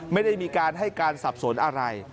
ไม่ได้มีการให้การสับสนอะไร